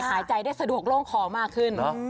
หายใจได้สะดวกโล่งคอมากขึ้น